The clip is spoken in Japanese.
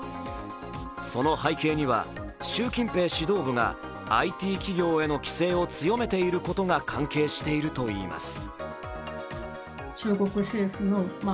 その背景には、習近平指導部がＩＴ企業への規制を強めていることが関係しているといいます。